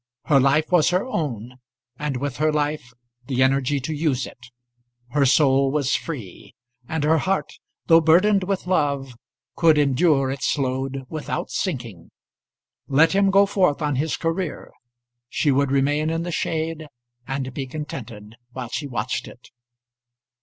Her life was her own, and with her life the energy to use it. Her soul was free. And her heart, though burdened with love, could endure its load without sinking. Let him go forth on his career. She would remain in the shade, and be contented while she watched it.